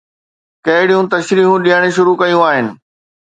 ڪهڙيون تشريحون ڏيڻ شروع ڪيون آهن.